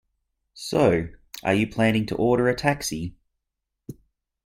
So, are you planning to order a taxi?